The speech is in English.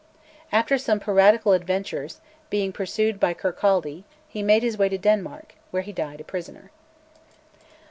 After some piratical adventures, being pursued by Kirkcaldy he made his way to Denmark, where he died a prisoner.